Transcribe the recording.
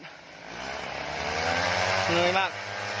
เหนื่อยมาก